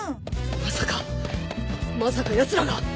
まさかまさかヤツらが